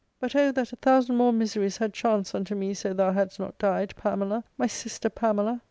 But O that a thousand more miseries had chanced unto me so thou hadst not died, Pamela, my sister Pamela